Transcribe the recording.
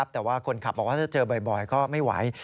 แต่ว่าคนขับบอกว่าถ้าเจอบ่อยก็ไม่ไหว